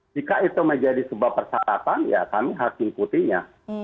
jika itu menjadi sebuah persyaratan ya kami harus mengikutinya